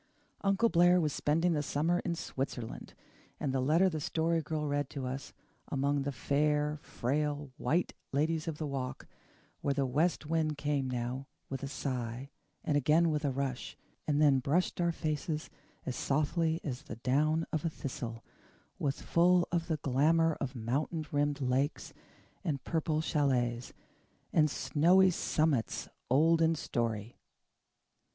Uncle Blair was spending the summer in Switzerland; and the letter the Story Girl read to us, among the fair, frail White Ladies of the Walk, where the west wind came now with a sigh, and again with a rush, and then brushed our faces as softly as the down of a thistle, was full of the glamour of mountain rimmed lakes, and purple chalets, and "snowy summits old in story."